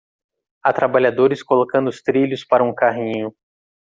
Há trabalhadores colocando os trilhos para um carrinho.